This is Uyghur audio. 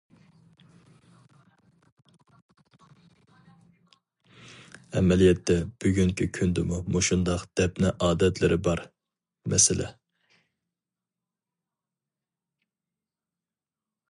ئەمەلىيەتتە بۈگۈنكى كۈندىمۇ مۇشۇنداق دەپنە ئادەتلىرى بار، مەسىلە.